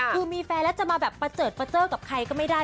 คือมีแฟนแล้วจะมาแบบประเจิดประเจอกับใครก็ไม่ได้